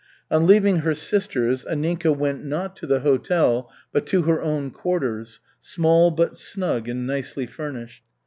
On leaving her sister's, Anninka went not to the hotel but to her own quarters, small but snug and nicely furnished.